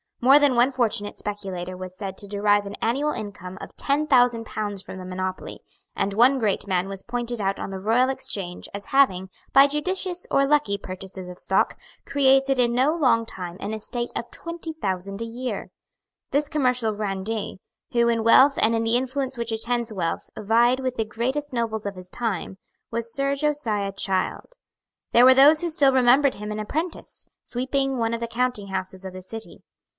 More than one fortunate speculator was said to derive an annual income of ten thousand pounds from the monopoly; and one great man was pointed out on the Royal Exchange as having, by judicious or lucky purchases of stock, created in no long time an estate of twenty thousand a year. This commercial grandee, who in wealth and in the influence which attends wealth vied with the greatest nobles of his time, was Sir Josiah Child. There were those who still remembered him an apprentice, sweeping one of the counting houses of the City.